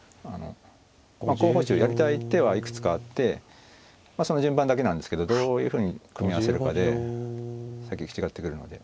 候補手やりたい手はいくつかあってその順番だけなんですけどどういうふうに組み合わせるかで先行き違ってくるので。